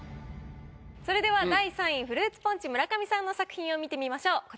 それでは第３位フルーツポンチ村上さんの作品を見てみましょう。